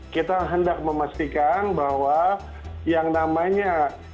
kita hendak memastikan bahwa yang namanya